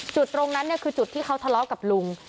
จุดตรงนั้นคือจุดที่เขาทะเลาะกับลุง